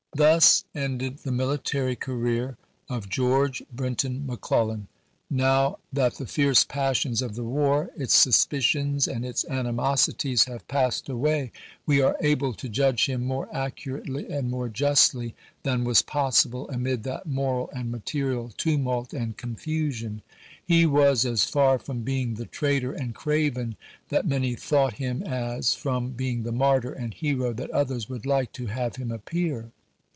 Thus ended the military career of George Brinton McClellan. Now that the fierce passions of the war, its suspicions and its animosities, have passed away, we are able to judge him more accurately and more justly than was possible amid that moral and material tumult and confusion. He was as far from being the traitor and craven that many thought him as from being the martyr and hero that others would like to have him appear.